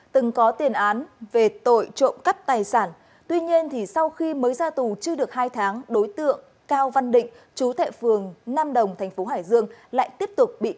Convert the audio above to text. từng có tiền án về tội trộm cắt tài sản tuy nhiên sau khi mới ra tù chưa được hai tháng đối tượng cao văn định chú thệ phường nam đồng tp hcm lại tiếp tục bị cơ quan cảnh sát điều tra công an huyện nam sách hải dương